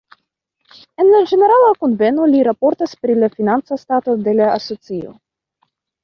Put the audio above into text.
En la ĝenerala kunveno li raportas pri la financa stato de la asocio.